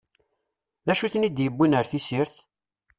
D acu i ten-id-yewwin ar tessirt?